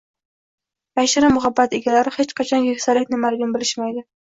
Otashin muhabbat egalari hech qachon keksalik nimaligini bilishmaydi.